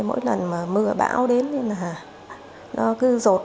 mỗi lần mà mưa bão đến đi nữa nó cứ giọt